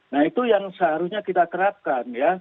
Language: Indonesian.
nah itu yang seharusnya kita terapkan ya